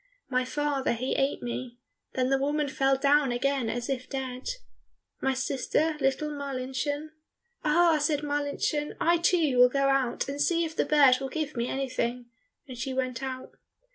"My father he ate me," Then the woman fell down again as if dead. "My sister, little Marlinchen," "Ah," said Marlinchen, "I too will go out and see if the bird will give me anything," and she went out.